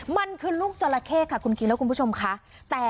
มันคือลูกจราเข้ค่ะคุณคิงและคุณผู้ชมค่ะ